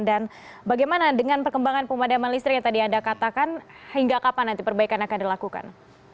dan bagaimana dengan perkembangan pemadaman listrik yang tadi anda katakan hingga kapan nanti perbaikan akan dilakukan